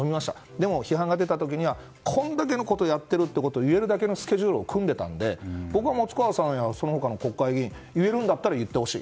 でも、批判が出た時にはこんだけのことをやっていると言えるだけのスケジュールを組んでいたので僕は、松川さんやその他の国会議員も言えるんだったら言ってほしい。